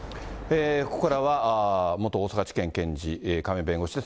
ここからは、元大阪地検検事、亀井弁護士です。